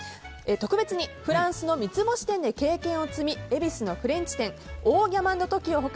特別にフランスの三つ星店で経験を積み恵比寿のフレンチ店オーギャマンドトキオ他